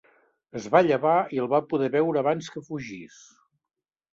Es va llevar i el va poder veure abans que fugís.